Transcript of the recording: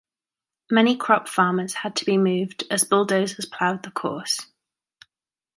Many crop farmers had to be moved as bulldozers ploughed the course.